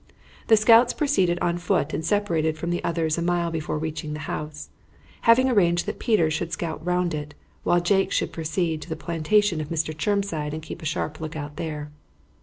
The scouts proceeded on foot and separated from the others a mile before reaching the house, having arranged that Peter should scout round it, while Jake should proceed to the plantation of Mr. Chermside and keep a sharp lookout there.